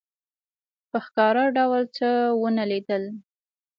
په ښکاره ډول څه ونه لیدل.